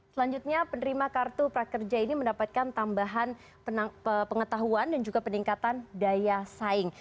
selanjutnya penerima kartu prakerja ini mendapatkan tambahan pengetahuan dan juga peningkatan daya saing